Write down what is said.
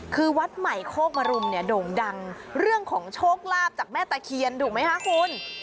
คือวัดใหม่โคกมรุมเนี่ยโด่งดังเรื่องของโชคลาภจากแม่ตะเคียนถูกไหมคะคุณ